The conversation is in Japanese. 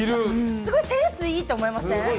すごいセンスいいと思いません？